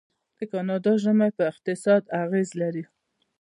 د کاناډا ژمی په اقتصاد اغیز لري.